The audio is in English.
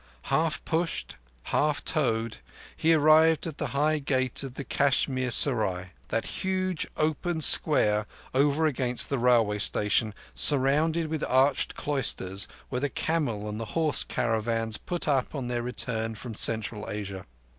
Half pushed, half towed, he arrived at the high gate of the Kashmir Serai: that huge open square over against the railway station, surrounded with arched cloisters, where the camel and horse caravans put up on their return from Central Asia.